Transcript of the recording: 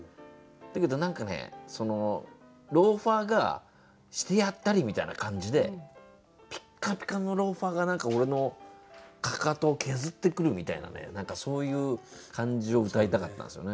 だけど何かローファーがしてやったりみたいな感じでピッカピカのローファーが俺のかかとを削ってくるみたいなそういう感じをうたいたかったんですよね。